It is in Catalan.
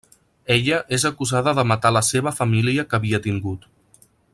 Ella és acusada de matar la seva família que havia tingut.